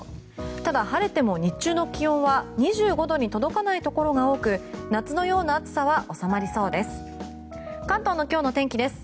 ただ、晴れても日中の気温は２５度に届かないところが多く夏のような暑さは収まりそうです。